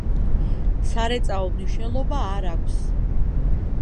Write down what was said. სარეწაო მნიშვნელობა არ აქვს.